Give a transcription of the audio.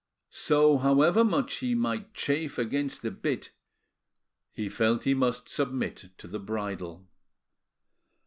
So, however much he might chafe against the bit, he felt he must submit to the bridle.